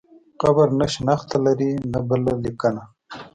قبر نه شنخته لري نه بله لیکنه.